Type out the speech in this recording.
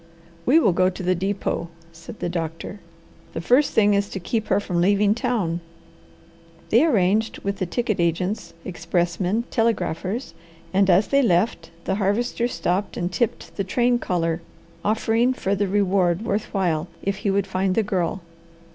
"We will go to the depot," said the doctor. "The first thing is to keep her from leaving town." They arranged with the ticket agents, expressmen, telegraphers, and, as they left, the Harvester stopped and tipped the train caller, offering further reward worth while if he would find the Girl.